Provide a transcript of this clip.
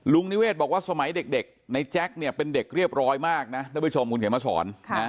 นิเวศบอกว่าสมัยเด็กในแจ๊คเนี่ยเป็นเด็กเรียบร้อยมากนะท่านผู้ชมคุณเขียนมาสอน